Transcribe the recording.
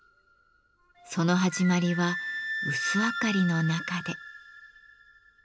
その始まりは薄明かりの中で。